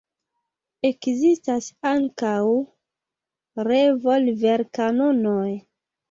Ekzistas ankaŭ revolverkanonoj.